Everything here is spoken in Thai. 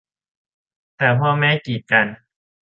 แต่พ่อแม่กีดกัน